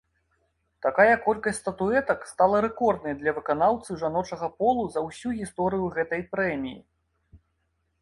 Такая колькасць статуэтак стала рэкорднай для выканаўцы жаночага полу за ўсю гісторыю гэтай прэміі.